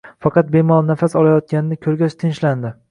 Faqat bemalol nafas olayotganini ko'rgach tinchlandi.